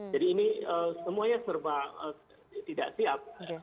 jadi ini semuanya serba tidak siap